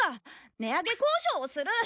値上げ交渉をする！